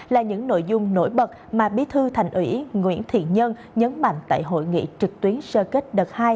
là những nội dung nổi bật mà bí thư thành ủy nguyễn thiện nhân nhấn mạnh tại hội nghị trực tuyến sơ kết đợt hai